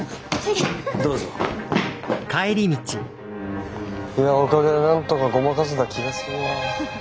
いやおかげでなんとかごまかせた気がするわ。